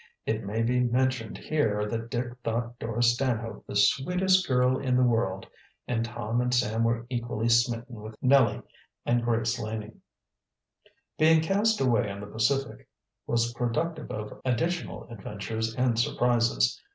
It may be mentioned here that Dick thought Dora Stanhope the sweetest girl in the world, and Tom and Sam were equally smitten with Nellie and Grace Laning. Being cast away on the Pacific was productive of additional adventures and surprises.